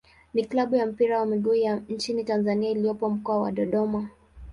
ni klabu ya mpira wa miguu ya nchini Tanzania iliyopo Mkoa wa Dodoma.